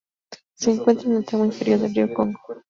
Se encuentra en el tramo inferior del río Congo.